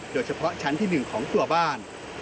โดยเฉพาะชั้นที่๑ของตัวบ้าน